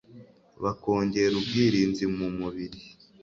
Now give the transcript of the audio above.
bakongera ubwirinzi mu mubiri